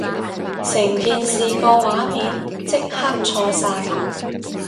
成件事個畫面即刻錯晒